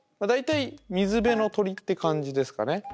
大体水辺の鳥って感じですかね